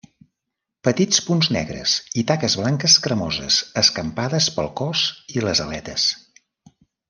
Petits punts negres i taques blanques cremoses escampades pel cos i les aletes.